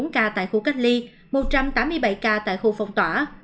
một ba mươi bốn ca tại khu cách ly một trăm tám mươi bảy ca tại khu phòng tỏa